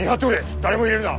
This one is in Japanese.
誰も入れるな。